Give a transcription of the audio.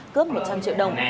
cướp một trăm linh triệu đồng